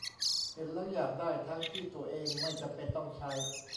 เห็นแล้วอยากได้ ทั้งที่ตัวเองไม่จำเป็นต้องใช้